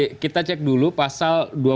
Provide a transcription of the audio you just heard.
pemerintah kepada rakyatnya